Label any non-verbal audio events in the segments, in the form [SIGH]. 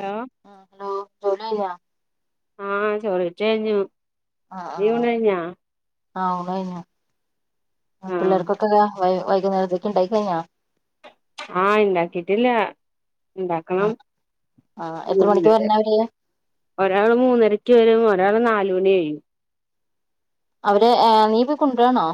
Law ആഹ് hello ജോലി കഴിഞ്ഞോ ആഹ് ചോറീറ്റ കഴിഞ്ഞു നീയും കഴിഞ്ഞാ? ആ ഊണ് കഴിഞ്ഞു ആ ആഹ് പിള്ളർക്കൊക്കെ ക വൈ വൈ ഈ നേരത്തേക്ക് ഇണ്ടായി കഴിഞ്ഞാ ആഹ് ഇണ്ടാക്കിട്ടില്ലാ ഇണ്ടാക്കണം ആഹ് ആഹ് എത്ര മണിക്ക് വരണെ അവര് ഒരാള് മൂന്നരക്ക് വരും ഒരാള് നാൽ [UNINTELLIGIBLE] മണിയായി അവരെ ഏഹ് നീ പോയി കൊണ്ട രാണോ?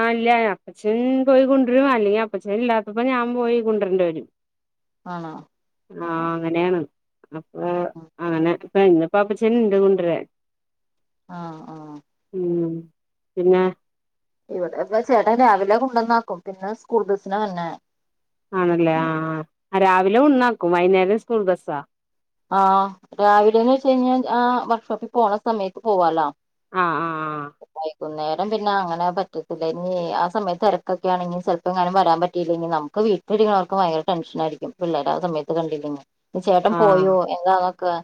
ആഹ് ഇല്ല അപ്പച്ചൻ പോയി കൊണ്ടൊരും അല്ലെങ്കി അപ്പച്ചനില്ലാത്തപ്പോ ഞാൻ പോയി കൊണ്ടരണ്ടി വരും ആണോ ആഹ് അങ്ങനെയാണ് അപ്പൊ അങ്ങനെ പ ഇന്നിപ്പോ അപ്പച്ചൻ ഇണ്ട് കൊണ്ടരാൻ ആഹ് ആഹ് ഉം പിന്നെ ഇവിടെ ഇപ്പ ചേട്ടൻ രാവിലെ കൊണ്ടന്നാക്കും പിന്നെ സ്കൂൾ ബസിനാ വർണെ ആണല്ലേ ആഹ് ആ രാവിലെ ഉണ്ണാക്കും വൈന്നേരം സ്കൂൾ ബസ്സാ ആഹ് രാവിലേന്ന് വെച്ച് കഴിഞ്ഞാ ആ വർക്ക്ഷോപ്പി പോണ സമയത്ത് പോവാലോ ആഹ് ആഹ് ആഹ് കുന്നേരം പിന്ന അങ്ങനെ പറ്റത്തില്ല ഇനി ആ സമയത്ത് തെരക്കൊക്കൊയാണെങ്കി ചെലപ്പോ എങ്ങനും വരാൻ പറ്റിയില്ലെങ്കി നമുക്ക് വീട്ടിലിരിക്കണോർക്ക് ഭയങ്കര ടെൻഷനായിരിക്കും പിള്ളേരെ ആ സമയത്ത് കണ്ടില്ലെങ്ങി ആഹ് പോയോ എങ്ങാന്ന് ക്ക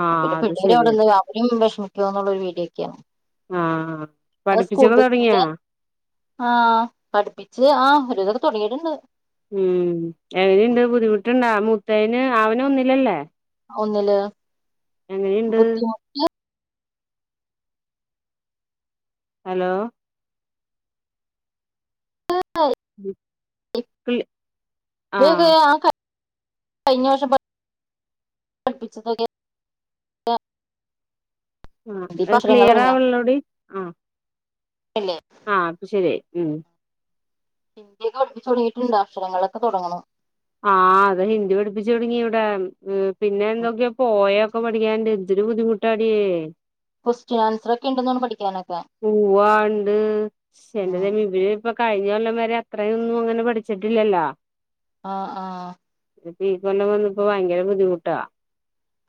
ആഹ് ആഹ് പിന്നെ അത് പിള്ളേര് ശരിയാ അവിടുന്ന് അവരും വെഷ് പൊക്കോന്നുള്ളോരു വീഡിയെക്ക് ആണ് ആഹ് അത് പഠിപ്പിച്ചൊക്കെ സ്കൂബസ് ൻ്റെ തുടങ്ങിയാ ആഹ് പഠിപ്പിച്ച് ആ രുവിധൊക്കെ തൊടങ്ങീട്ട്ണ്ട് ഉം എങ്ങനെയ്ണ്ട് ബുദ്ധിമുട്ടുണ്ടാ മൂത് ത്തേന് അവന് ഒന്നിലല്ലേ ഒന്നില് എങ്ങനെയുണ്ട് ബുദ്ധിമുട്ട് ഹലോ [UNINTELLIGIBLE] ആഹ് കയിഞ്ഞവർഷം പ പഠിപ്പിച്ച [UNINTELLIGIBLE] ആ എ ക്ലിയറാവൺളോടി ആ അല്ലേ ആ ഇപ്പ ശെരിയായി. ഉം ഹിന്ദിയൊക്കെ പഠിപ്പിച്ചു തൊടങ്ങിയിട്ടുണ്ട് അക്ഷരങ്ങളൊക്കെ തൊടങ്ങണം. ആ അതെ ഹിന്ദി പഠിപ്പിച്ചു തൊടങ്ങി ഇവിടെ ഉം പിന്നെ എന്തൊക്കെയാ പോയ ക്കെ പഠിക്കാൻണ്ട് എന്തൊരു ബുദ്ധിമുട്ടാട്യേ കൊസ്സ്റ്റനാൻസറോക്കെ ഇണ്ടന്നോണ് പഠിക്കാന് പൂവാണ്ട് എന്റെ ദൈവമെ ഇവര് ഇപ്പ കഴിഞ്ഞ കൊല്ലം വരെ അത്രയൊന്നും അങ്ങനെ പഠിച്ചിട്ടില്ലല്ലോ. ആ ആ പ്പീ കൊല്ലം വന്നപ്പോ ഭയങ്കര ബുദ്ധിമുട്ടാ.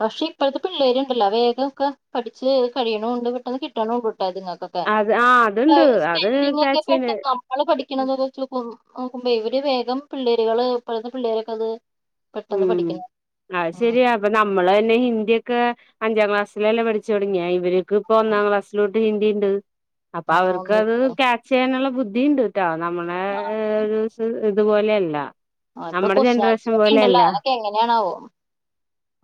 പക്ഷെ ഇപ്പഴത്തെ പിള്ളേര്ണ്ടല്ലോ വേഗം ഒക്കെ പഠിച്ച് കഴിയണുണ്ട് പെട്ടെന്ന് കിട്ടണുണ്ട്. ത്ങ്ങക്കൊക്കെ അത് ആഹ് അതുണ്ട് സ്‌പെ അത് സ്പെല്ലിങ്ങൊക്കെ ക്യാച്ച് ചെയ്യണ് പെട്ടെന്ന് നമ്മള് പഠിക്കുന്നതതോച്ചൊക്കു നോക്കുമ്പ ഇവിര് വേഗം പിള്ളേര്കള് ഇപ്പഴ്ത്തെ പിള്ളേരൊക്കെത് ഉം ആശെരിയാ അപ്പ നമ്മ നമ്മള്ന്നെ ഹിന്ദിയൊക്കെ അഞ്ചാം ക്ലാസ്സിലല്ലെ പഠിച്ചു തൊടങ്ങിയാ ഇവര് ക്ക്‌ പ്പം ഉം. ഒന്നാം ക്ലാസ്സിലോ ഹിന്ദിണ്ട്. അപ്പ ആ ഒന്നും അവർക്കത് ക്യാച്ച് ചെയ്യാനുള്ള ബുദ്ധി ന്ദിണ്ട്. ട്ടോ നമ്മളെ ആ ഒരൂ സ് തുപോലെയല്ല. ആ ഇപ്പ കൊസ്റ്റിനാൻസറോക്കെ ഇണ്ടല്ലോ. ക്കെങ്ങെനാണാവോ?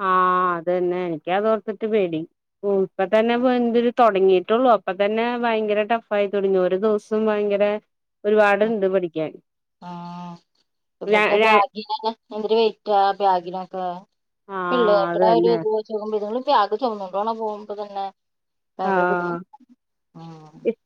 ആ അതന്നെ. നിക്കതോർത്തിട്ട് പേടി. ഉം ഇപ്പ തന്നെ ഉം. എന്തെര് തൊടങ്ങിട്ടുള്ളൂ അപ്പ തന്നെ ഭയങ്കര ടഫ് ആയി തൊടങ്ങി ഒരുദൂസം ഭയങ്കര ഒരുപാടുണ്ട് പഠിക്കാൻ ആ ര ഇവർടെ ര ബാഗിനന്നെ എന്തൊര് വെയ്റ്റാ ബാഗിനൊക്കെ. ആഹ് പിള്ളെര്ടെ അത് കാര്യം തന്നെ ഇതുവെച്ച് നോക്കുമ്പ ഇത്ങ്ങള് ബാഗ് ചൊമന്നോണ്ടോണ പോവുമ്പ തന്നെ ആ ഭയങ്കര ബുദ്ധിമുട്ട് ഇപ്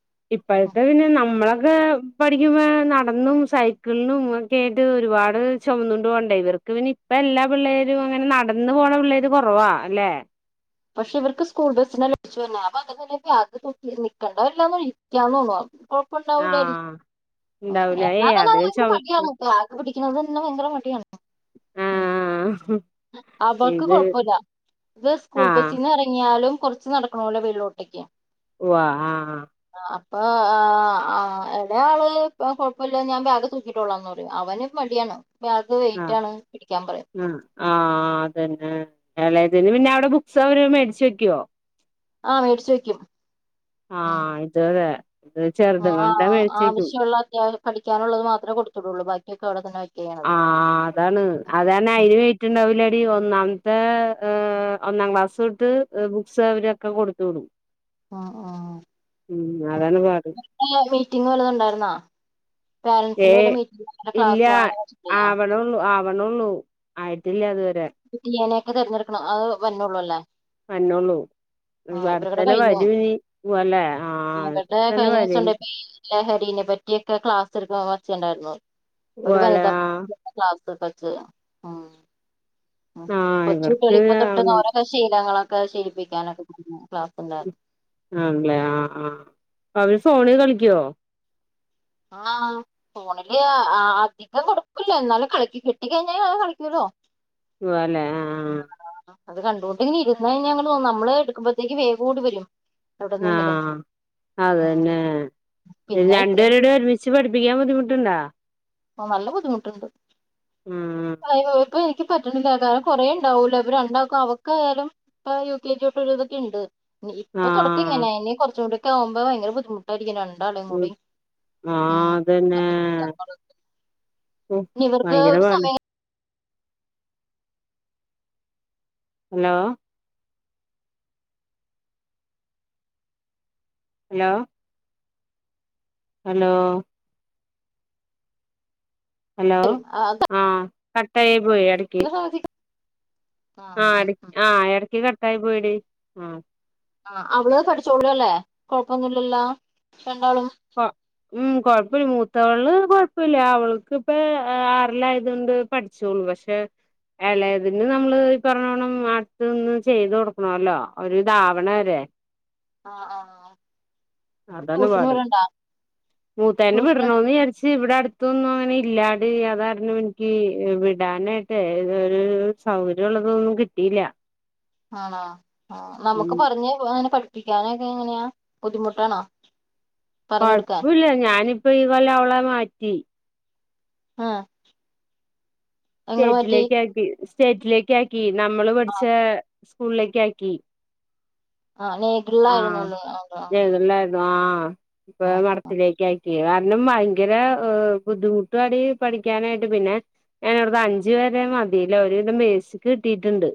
ഉം. ഇപ്പഴ്ത്തെ പിന്നെ നമ്മള ക്കെ പഠിക്കുമ്പ നടന്നും സൈക്കിളിനും ഒക്കെയായിട്ട് ഒരുപാട് ചൊമന്നോണ്ട് പോണ്ടേ ഇവർക്ക് പിന്നെ ഇപ്പ എല്ലാ പിള്ളേരും അങ്ങനെ നടന്ന് പോണ പിള്ളേര് കൊറവാ അല്ലെ? പക്ഷെ ഇവർക്ക് സ്കൂൾ ബസ്സിനല്ലേ തിരിച്ചുവരുണെ അപ്പൊ അതെങ്ങനെ [UNINTELLIGIBLE] നിക്കണ്ട വരില്ല തോന്നുണു ഇരിക്കാന്ന് തോന്നുന്നു കൊഴപ്പുണ്ടാവൂലായിരിക്കും ആഹ് ഉണ്ടാവൂല ഏ എന്നാതന്നെ അതിന് അവർക്ക് ചുമക്ക് മടിയാകും ക്ലാസ്സ്‌ പിടിക്കുന്നത് തന്നെ ഭയങ്കര മടിയാണ് ഉം ആഹ് അവൾക്ക് ഇത് കൊഴപ്പുല്ല ഇത് സ്കൂൾ ആഹ് ബസിന്ന് ഇറങ്ങിയ എന്നാലും കുറച്ച് നടക്കണോല്ലോ വീട്ടിലോട്ടേക്ക് ഉവ്വാ ആഹ് ആ ഇപ്പ ആ ആ എന്റെയാളൊന്നും കൊഴപ്പമില്ല ഞാൻ ബാഗ് തുക്കിയിട്ടോളാം പറയും അവന് മടിയാണ് ആൾക്ക് വെയിറ്റ് ആഹ് ആണ് പിടിക്കാൻ പറയും ആഹ് ആഹ് അതന്നെ ഇളയതിന് പിന്നെ അവിടെ ബുക്സ് അവര് മേടിച്ച് വെക്കുവോ ആഹ് മേടിച്ച് വെക്കും ആ ഇത് അതെ ഇത് ആ ചെറുതുങ്ങളുടെ ആ മേടിച്ച് വെക്കും ആവശ്യള്ള അത്യാവശ്യം പഠിക്കാനുള്ളത് മാത്രേ കൊട്ത്ത് വിടോള്ളൂ ബാ ക്കിക്കെ അവടെതന്നെ വെയ് ആ അതാണ് അതാണ് ഉം അയിന് വെയ്റ്റ്ണ്ടാവൂല [UNINTELLIGIBLE] ഒന്നാമത്തെ ഒന്നാം ക്ലാസ്സ് തൊട്ട് ബുക്സ് അവരൊക്കെ കൊട്ത്ത് വിടും ഉം ഉം ഉം അതാണ് പാട് [INAUDIBLE] മീറ്റിംഗ് വല്ലതുണ്ടായിരുന്നോ ഏ ഇല്ല ആവ്ണോള്ള് ആവണോള്ളൂ ആയിട്ടില്ല ഇതുവ [UNINTELLIGIBLE] തെരഞ്ഞെട്ക്ക്ണം അത് വര്ണോള്ളൂല്ലേ വര്നോള്ളൂ ഇവരുടെ അട്ത്തെന്നെ കഴിഞ്ഞു വരൂ ഇനി പോവല്ലേ ആ അവരുടെ ഇപ്പോ തന്നെ കഴിഞ്ഞ ദിവസം വരേനി [UNINTELLIGIBLE] ഒച്ചണ്ടായിരുന്നു ഒരു വനിതാ [INAUDIBLE] ക്ലാസ്സ്ട്ത്തത് മ്മ് മ്മ് ആഹ് കൊച്ചുട്ട്യാള് ഇവർക്ക് ഇപ്പൊ തൊട്ട് ആവണം [UNINTELLIGIBLE] ശീലങ്ങള് ട്ട്യാളെ ശീലിപ്പിക്കാനൊക്കെ തൊടങ്ങിയോ ആല്ലേ ആ ആ അവര് ഫോണിൽ കളിക്കോ ആ ഫോണില് അധികം കൊട്ക്കില്ലന്നാലും കിട്ടിക്കഴിഞ്ഞ കളിക്കല്ലോ സുവാലേ അത് കണ്ടോണ്ട്ങ്ങിരുന്നഴിഞ്ഞ നമ്മള് എട്ക്ക്മ്പോത്തേക്ക് വേഗോടിവരും ആ ഉം അതെന്നെ പിന്നെ ഇത്രയും രണ്ട്പേരുടിം ഒരുമിച്ച് പഠിപ്പിക്കാൻ ബുദ്ധിമുട്ട്ണ്ടോ? ഓ നല്ല ബുദ്ധിമുട്ട്ണ്ട് ഉം ഇപ്പൊ എനിക്ക് പറ്റിണില്ലത് കുറേണ്ടാവോലോ ഇപ്പ രണ്ടാക്കും അവൾക്കായാലും ഇപ്പ യു കെ ജി തൊട്ട് ഒരുവിതൊക്കെണ്ട് ഇപ്പൊ തൊടക്ക ആഹ് ഇങ്ങനെ ഇനി കൊറച്ചുടി ആവുമ്പോ ഭയങ്കര ബുദ്ധിമുട്ടായിരിക്കു രണ് ഉം ആ അതന്നെ ഉം ഇനി ഇവർക്ക് ഭയങ്കര ഒര് പാട് സമയം ഹലോ ഹലോ ഹലോ ഹലോ ആ കട്ടായി പോയി എടയ്ക്ക് സമയത്ത് ആ അഹ് ഇടാആ ഇടക്ക് കട്ടാ ആയി പോയി ഡി ആ ആ അവള് പഠിച്ചോളൂല്ലേ കൊഴപ്പൊന്നുല്ലല്ലോ കോ മ് കൊഴപ്പില്ല മൂത്തളെ കൊഴ കുഴപ്പില്ല അവൾക്ക് ഇപ്പ ആറിലായത് കൊണ്ട് പഠിച്ചുള്ളു പക്ഷെ ളതിന് നമ്മള് ഈ പറഞ്ഞോണം അടുത്തൊന്ന് ചെയ്ത് കൊടുക്കണല്ലോ ഒരു താവണ വരെ ആ ആ അഹ് അതാണ്പാട് മൂത്തന്നെ ട്യൂഷൻ വിടണന്ന് വിചാരിച്ച് ഇവിടെ അടുത്തൊന്നും അങ്ങനെ ഇല്ലാഡി അതാരണം എനിക്ക് വിടാനായിട്ട് ഒരു സൗകര്യം ഉള്ളതൊന്നും കിട്ടില്ല ആണോ ആ നമുക്ക് പറഞ്ഞ് അങ്ങനെ പഠിപ്പിക്കാ കുട്ടാനൊക്കെ എങ്ങനെയാ ബുദ്ധിമുട്ടാണോ പറഞ്ഞു കൊടുക്കാൻ കൊഴപ്പില്ല ഞാനിപ്പ ഈ കൊല്ല അവളെ മാറ്റി ആഹ് ചേട്ടിലേക്ക് ആക്കി ചേട്ടിലേക്ക് ആക്കി കി നമ്മള് പഠിച്ച സ്കൂളിലേക്ക് ആക്കി ആഹ് നെഗിൽആയിരുന്നുലേ ആ ആ ആ ഇപ്പൊ മടത്തിലേക്ക് ആക്കിയ കാരണം ഭയങ്കര ബുദ്ധിമുട്ട് അടി പഠിക്കാനായിട്ട് പിന്നെ ഞാനടുത് അഞ്ചു വരെ മതില്ലേ ഒരുവിതം മേസിക്ക് കിട്ടിട്ടുണ്ട്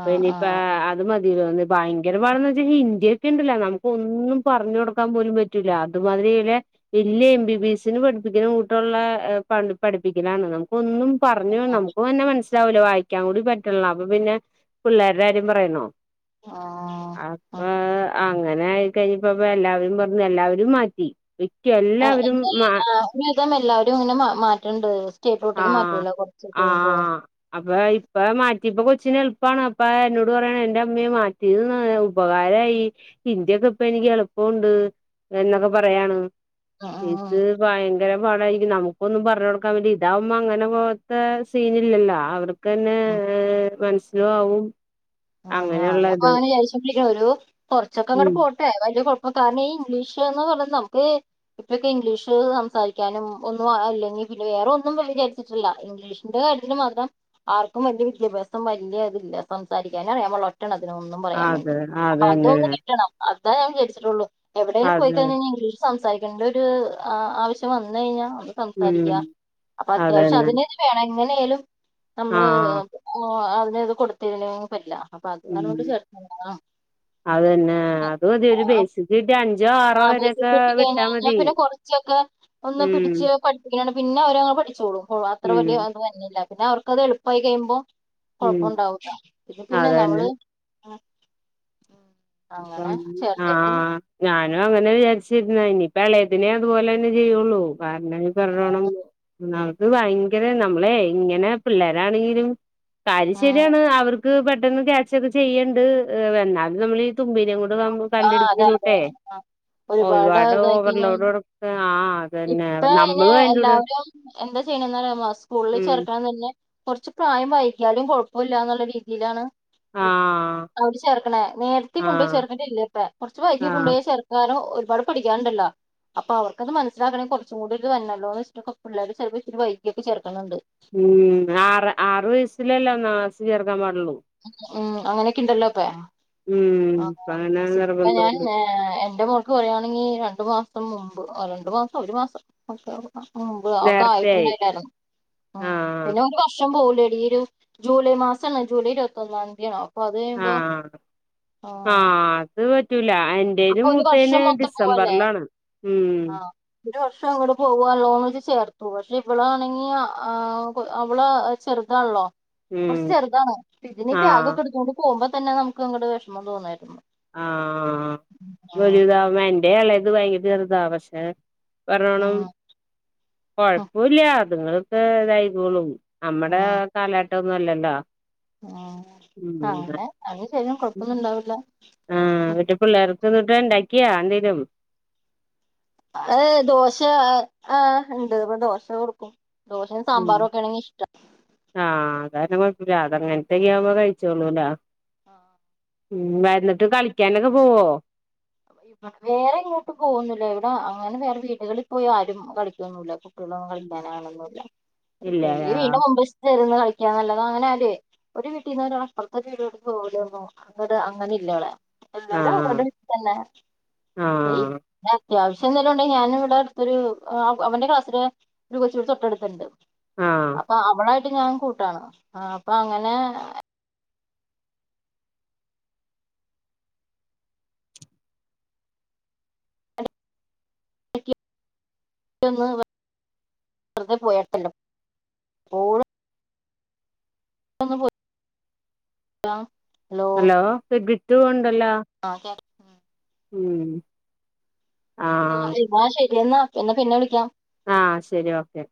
ആ ആ ഇനിയിപ്പ അത് മതി ഭയങ്കര പാടന്ന് വെച്ചാ ഇന്ത്യ ഒക്കെ ഉണ്ടല്ല നമുക്ക് ഒന്നും പറഞ്ഞു കൊടുക്കാൻ പോലും പറ്റൂല്ല അതുമാതിരില്ല വല്യ എം ബി ബി എസ്സിന് പഠിപ്പിക്ക കൂട്ടുള്ള പഠിപ്പിക്കാലാണ് ഒന്നും പറഞ്ഞു നമുക്ക് തന്നെ മനസ്സി മനസ്സിലാവില്ല വായിക്കാൻ കൂടി പറ്റുല അപ്പൊ പിന്നെ പിള്ളേരുടെ കാര്യം പറയണോ ആഹ് അപ്പ ആഹ് അങ്ങനെ ആയി കഴിഞ്ഞപ്പ എല്ലാവരും പറഞ്ഞു എല്ലാവരും മാറ്റി ആതല്ല എല്ലാവരും പിന്നെപ്പം എല്ലരും ഇങ്ങനെ മാറ്റ്ണ്ട് ആഹ് ആ അപ്പൊ ഇപ്പം മാറ്റി ഇപ്പം കൊച്ചിനെ എളുപ്പമാണ് അപ്പ എന്നോട് പറയാണ് എന്റെ അമ്മയെ മാറ്റിയ ഉപകാരമായി ഇന്റെകൊപ്പ എനിക്ക് എളുപ്പുണ്ട് എന്നൊക്കെ പറയാണ് ആ ആ ഇത് ഭയങ്കര പാടായിരിക്കും നമുക്കൊന്നും പറഞ്ഞ കൊടുക്കൻ വേണ്ടി ഇതാവുമ്പോൾ മ അങ്ങനെ പോകാത്തെ സീനില്ലല്ലോ അവർക്ക് ക്കെന്നെ ആ ഏ മൻസ് ലോ ആവും ആഹ് ഞാ അങ്ങനെയുള്ള ഇത് ഞാപ്പൊ [UNINTELLIGIBLE] കൊറച്ചൊക്കെ അങ്ങട്ട് ഉം പോട്ടെ വലിയ കൊഴ്പ്പ അപ്പ കാരണം ഈ ഇംഗ്ലീഷ് ന്ന് പറഞ്ഞത് നമുക്ക് ഇപ്പൊക്കെ ഇംഗ്ലീഷ് സംസാരിക്കാനും ഒന്നും അല്ലെങ്കി പിന്നെ വേറെ ഒന്നും വിചാരിച്ചിട്ടില്ല ഇംഗ്ലീഷിന്റെ കാര്യത്തിന് മാത്രം ആർക്കും വലിയ വിദ്യാഭ്യാസം വലിയ ഇതില്ല സംസാരി എന്നാ നിയമൊള്ളൊ ഒറ്റെണ്ണത്തിനും ഒന്നും പറയാൻ വേണ്ടി അതെ അപ്പൊ അതന്നെ അതൊന്നും കിട്ടണം അഹ് ഞാൻ വിചാരിച്ചിട്ടൊള്ളു എവിടെങ്കിലും അതെ പോയിക്കഴഞ്ഞ ഞ്ഞിഗ്ലീഷ് സംസാരിക്കെണ്ടൊരു അ ആവശ്യം വന്നഴിഞ്ഞാ സംസാരിക്ക ഉം അപ്പൊ അത്യാവശ്യം അതന്നെ അതിന് വേണങ്കിൽ ന്തേലും നമ്മള് ആഹ് പ്പൊ അഹ് ഇഞ്ഞിത് കൊടുത്തീലോ പറ്റ്ല്ല ഉമ് അതന്നെ അത് മതിഒരു ബേസിക് കിട്ടിയാൽ അഞ് ആബേസിക് കിട്ടികഴിഞ്ഞയ് ഞ്ഞാ പിന്നെ കുറച്ചൊക്കെ ഒന്ന് ഉം പിടിച്ച് പഠിപ്പിക്കാണ് പിന്നെ അവരങ്ങനെ പഠിച്ചോളും ഓ അത്ര ഉം വലിയ അതൊന്നും വര്നില്ല പിന്നെ അവർക്കത് എളുപ്പായി കയുമ്പോ ഉം കൊഴപ്പൊണ്ടാവൂല ഇത് പിന്നെ നമള് അഹ് ചേർത്തിട്ടുണ്ട് ആഹ് ഞനും ഞാൻ അങ്ങനെ വിചാരിച്ചിരുന്നത് ഇനി ഇപ്പം ഇളയത്തിനേ അതുപലെന്നെ ചെയ്യോള്ളൂ പറിയണെങ്കിൽ പറഞ്ഞോണം നമുക്ക് ഭയങ്കര നമ്മളെ ഇങ്ങന പിള്ളാരാണെങ്കിലും കാര്യം ഉം ശരിയാണ് അവർക്ക് പട് ട്ടൊന്നും വ്യാരിച്ചത് ചെയ്യേണ്ട് എന്നാലും നമ്മള് ഈ തുമ്പിനേം കൊണ്ട് നമ്മ ആ അതെ അതെ കല്ലെടുപ്പിക്കുന്നക്കൂട്ടെ ആ ഒരുപാട് ഓവർലോഡ് കൊടുക്ക ആഹ് അതന്നെ ഇപ്പ അയിന് നമ്മളും അയിന്റൂടെ എല്ലാവരും എന്താ ചെയ്യണെന്ന് അറിയാമോ സ്കൂളില് ഉം ചേർക്കണതന്നെ കൊറച്ച് പ്രായം വൈകി കിയാലും കൊഴപ്പല്ല ന്നുള്ള രീതിയിലാണ് ആഹ് അവിര് ചേർക്ക്ണേ നേരത്തെ കൊണ്ടുയി ആഹ് ചേർക്കണ്ട ഇല്ലപ്പെ കുറച്ച് വൈകി ആഹ് കൊണ്ടുപോയി ചേർക്കാനും ഒരു ഇവടക പഠിക്കാനൊണ്ടല്ലോ അപ്പ അവർക്കത് മനസ് സിലാക്കണെ കുറച്ചും കൂടി ഒരു ഇത് വല്ലോന്ന് വെച്ചിട്ട് ഒക്കെ പിള്ളേരെ ചിലപ്പൊ ഇച്ചിരി വൈകിയക്കെ ചേർക്ക്ന്ന്ണ്ട് ഉം സ് ചേർക്കാൻ പാ ഉം അങ്ങനെക്കിണ്ടല്ലോപ്പേ ഉം ആഹ് അങ്ങനെ സിൽ ഞാൻ നിർബന്ധമുണ്ട് ഏഹ് എന്റെ മോൾക്ക് പറയാണെങ്കി അ ണ്ടു മാസം മുമ്പ് ആ രണ്ടു മാസോ ഒരു മാസോ [UNINTELLIGIBLE] മുമ്പ് അവക്ക് നേരത്തെയായി ആയിട്ടുണ്ടായില്ലാരുന്നു ഉം ആഹ് പിന്നെ ഒരു വർഷം പോയ് വെടിയിരു ജൂലൈ മാസണ് ജൂലൈ ഇരുപത്തൊന്നാം തീയാണ് ഓ പ്പൊ അത് കയ്യുമ്പോ ആ ത് ത് പറ്റു അപ്പൊ ഒരു വർഷം മൊത്തം പോവല്ലേ ഉം ആ ഒരു വർഷം അങ്ങോട്ട് പോവാണല്ലോന്ന്ച്ച് ചേർ പക്ഷെ ഇവളാണെങ്കി ആ അവള് ചെർതാണല്ലോ ഉം കുറച്ച് ചെറ്താണ് പിന്നെ ഈ ആഹ് ബ്യാഗൊക്കെടുത്തോണ്ട് പോകുമ്പ പിന്നെ നമുക്ക് അങ്ങോട്ട് വെഷമം തോന്നി [UNINTELLIGIBLE] ആ വലുതാവു എന്റെ എളേത് ഇത് വൈകിട്ട് [UNINTELLIGIBLE] പറോണം ആഹ് ഉം കൊഴപ്പൊല്യ ഇങ്ങളിപ്പെ ഇതായിക്കോളും അമ്മടെ ഉം കാലഘട്ടന്നൊല്ലല്ലോ ടാ ഉം അങ്ങനെ അന്ന് ചെയ്യും കൊഴപ്പൊന്നുണ്ടാവില്ല ആ ന്നട്ട് പിള്ളേർക്ക് എന്തുട്ടണ്ടാക് ക്ക്യാ ന്തേലും ഏ ദോശ അ് ആ ഇണ്ട് ഇപ്പ ദോശ കൊടുക്കും ദോശയും ഉം സാമ്പാറുഒക്കെ ആണെങ്കി ഇഷ്ടം [UNINTELLIGIBLE] കൊഴപ്പൂല്ല അത അങ്ങനത്തെ ഗ്യവുമ്പോ കഴിച്ചോളൂല ആ ഉം വന്നിട്ട് കളിക്ക്യാനൊക്കെ പോവോ വേറെ ഇങ്ങോട്ട് പോവൊന്നുല്ല ഇവിടെ അങ്ങനെ വേറെ വീടുകളിൽ പോയി ആരും കളിക്കൊന്നുല്ല പ്പൊ ഇവിടെ കളിക്കാനാളൊന്നുല്ല ഇല്ല എങ്കി വിടിൻ്റെ ആഹ് മുൻവശത്ത് [UNINTELLIGIBLE] ന്ന് കളിക്കാന്നല്ലത അങ്ങനാരെ ഒരു വീട്ടീന്നൊരാളപ്പർത്ത വീടോട്ട് പോലോന്നുല്ല വടെ അ അങ്ങനെ ല്ലവടേ എല്ലാരവരവരുടെ വീട്ടി തന്നെ ആ അത്യാവശ്യ ന്തെലുണ്ടെങ്കി ഞാനിവിടെ ഒരു അ് അവന്റെ ക്ലാസില് ഒരു കൊച്ചു വടെ തൊട്ടട്ത്തുണ്ട് ആഹ് അപ്പൊ അവളെ ഇപ്പ ഞാൻ കൂട്ടാണ് ആ അപ്പൊ അങ്ങനെ [UNINTELLIGIBLE] വെറ്തെ പോയാ [UNINTELLIGIBLE] ഓള് [UNINTELLIGIBLE] ഹലോ [UNINTELLIGIBLE] [UNINTELLIGIBLE] അല്ല ആ കേക്ക ഉം ആഹ് [UNINTELLIGIBLE] എന്നാ എന്ന പിന്നെ വിളിക്കാം ആ ശരി ഓക്കെ